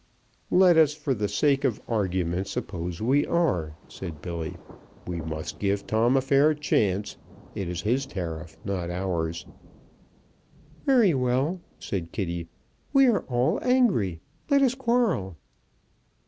"Let us, for the sake of argument, suppose we are," said Billy. "We must give Tom a fair chance. It is his tariff, not ours." "Very well," said Kitty; "we are all angry! Let us quarrel!"